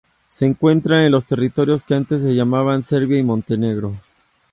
Se encuentra en los territorios que antes se llamaban Serbia y Montenegro.